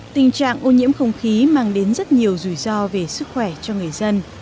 tình trạng ô nhiễm không khí mang đến rất nhiều rủi ro về sức khỏe cho người dân